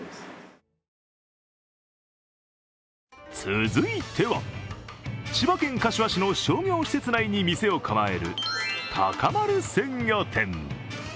続いては、千葉県柏市の商業施設内に店を構えるタカマル鮮魚店。